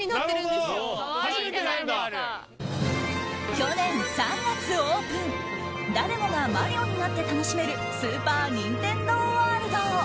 去年３月オープン誰もがマリオになって楽しめるスーパー・ニンテンドー・ワールド。